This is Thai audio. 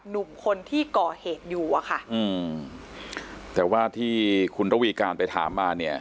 หนุ่มคนที่ก่อเหตุอยู่อะค่ะอืมแต่ว่าที่คุณระวีการไปถามมาเนี่ย